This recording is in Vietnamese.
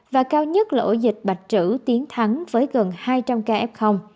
và cao nhất là ổ dịch bạch trữ tiến thắng với gần hai trăm linh ca f